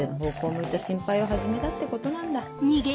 向いた心配を始めたってことなんだ。